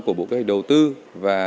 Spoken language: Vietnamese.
của bộ cách đầu tư và